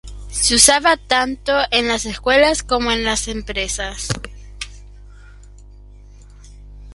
Se usaba tanto en las escuelas, como en las empresas.